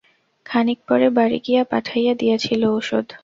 খানিক পরে বাড়ি গিয়া পাঠাইয়া দিয়াছিল ওষুধ।